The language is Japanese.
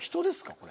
これ。